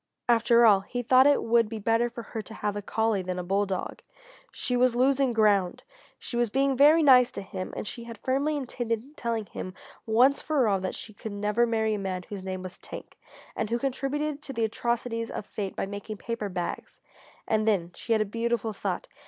After all, he thought it would be better for her to have a collie than a bulldog. She was losing ground! She was being very nice to him, and she had firmly intended telling him once for all that she could never marry a man whose name was Tank, and who contributed to the atrocities of fate by making paper bags. And then she had a beautiful thought.